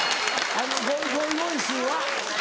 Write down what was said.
あのゴイゴイスーは。